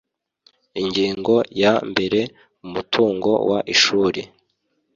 ingingo ya mbere umutungo w ishuri